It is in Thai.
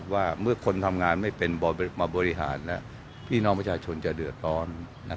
ว่าเมื่อคนทำงานไม่เป็นมาบริหารและพี่น้องประชาชนจะเดือดร้อน